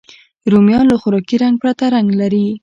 رومیان له خوراکي رنګ پرته رنګ لري